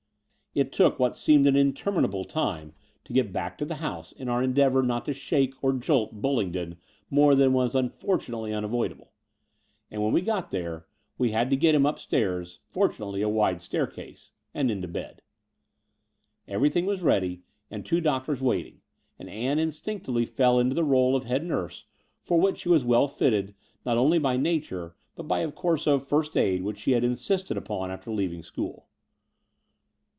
It took what seemed an interminable time to get The Brighton Road 67 back to the house in our endeavour not to shake or jolt Bullingdon more than lyas unfortunately un avoidable; and, when we got there, we had to get him upstairs — ^fortunately a wide staircase — ^and into bed. Everything was ready, and two doctors waiting, and Ann instinctively fell into the r61e of head nurse, for which she was well fitted not only by nattire, but by a course of first aid" which she had insisted upon after leaving school.